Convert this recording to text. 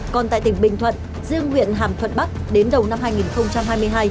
còn tại tỉnh bình thuận riêng huyện hàm thuận bắc đến đầu năm hai nghìn hai mươi hai